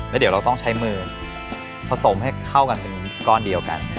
แล้วเดี๋ยวเราต้องใช้มือผสมให้เข้ากันเป็นก้อนเดียวกัน